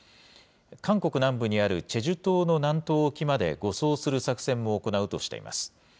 韓国南部にあるチェジュ島の南東沖まで護送する作戦も行うとしています。